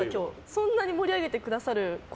そんなに盛り上げてくださるまあ